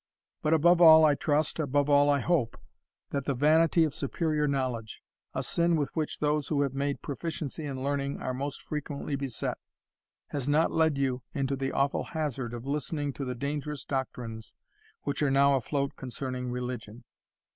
But above all I trust above all I hope that the vanity of superior knowledge a sin with which those who have made proficiency in learning are most frequently beset has not led you into the awful hazard of listening to the dangerous doctrines which are now afloat concerning religion.